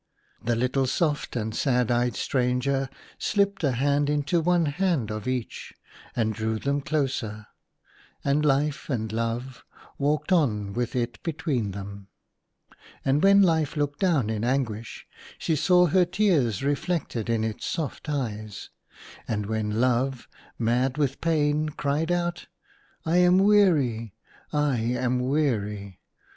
The little soft and sad eyed stranger slipped a hand into one hand of each, and drew them closer, and Life and Love walked on with it between them. And when Life looked down in anguish, she saw her tears reflected in its soft eyes. And when Love, mad with pain, cried out, " I am weary, I am weary